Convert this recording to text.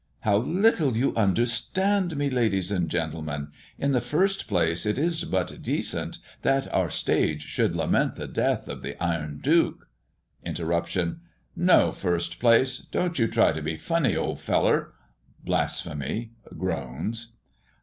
"How little you understand me, ladies and gentlemen. In the first place, it is but decent that our stage should lament the death of the Iron Duke" Interruption: "No first place! Don't you try to be funny, old feller!" Blasphemy groans.